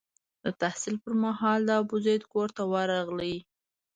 د تحصیل پر مهال د ابوزید کور ته ورغلی.